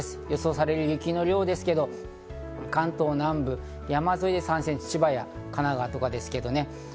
予想される雪の量ですけど、関東南部、山沿いで３ｃｍ、千葉や神奈川とかですけどね。